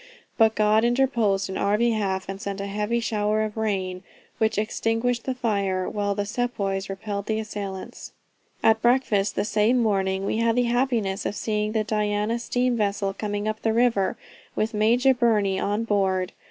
But God interposed in our behalf, and sent a heavy shower of rain, which extinguished the fire while the sepoys repelled the assailants. "At breakfast the same morning we had the happiness of seeing the Diana steam vessel coming up the river, with Major Burney on board.